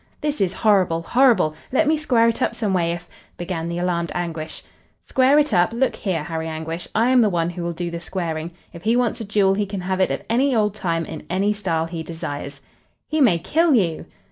"This is horrible, horrible! Let me square it up some way if " began the alarmed Anguish. "Square it up! Look here, Harry Anguish, I am the one who will do the squaring. If he wants a duel he can have it at any old time and in any style he desires." "He may kill you!"